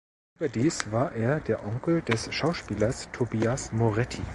Überdies war er der Onkel des Schauspielers Tobias Moretti.